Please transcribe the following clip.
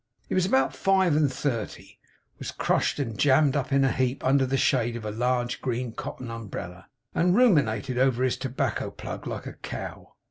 He was about five and thirty; was crushed and jammed up in a heap, under the shade of a large green cotton umbrella; and ruminated over his tobacco plug like a cow.